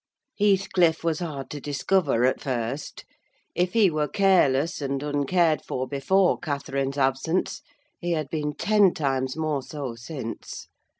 Heathcliff was hard to discover, at first. If he were careless, and uncared for, before Catherine's absence, he had been ten times more so since.